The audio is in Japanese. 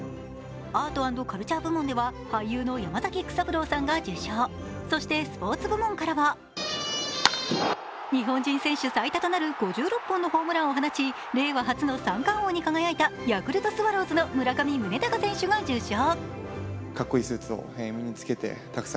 アート＆カルチャー部門では俳優の山崎育三郎さんが受賞、そして、スポーツ部門からは日本人選手最多となる５６本のホームランを放ち、令和初の３三冠王に輝いたヤクルトスワローズの村上宗隆選手が受賞。